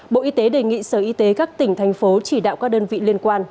bộ y tế đề nghị sở y tế các tỉnh thành phố chỉ đạo các đơn vị liên quan